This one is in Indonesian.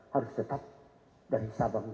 harus tetap dari sabang